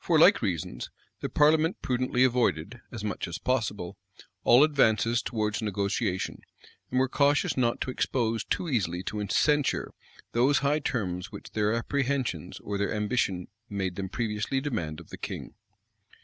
For like reasons, the parliament prudently avoided, as much as possible, all advances towards negotiation, and were cautious not to expose too easily to censure those high terms which their apprehensions or their ambition made them previously demand of the king.